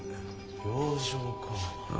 病状か。